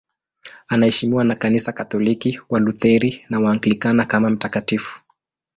Anaheshimiwa na Kanisa Katoliki, Walutheri na Waanglikana kama mtakatifu.